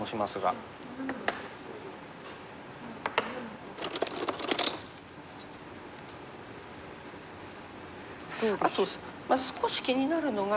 あと少し気になるのが。